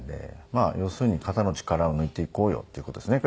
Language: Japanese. まあ要するに肩の力を抜いていこうよっていう事ですね。